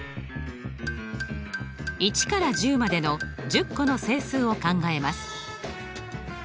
１から１０までの１０個の整数を考えます。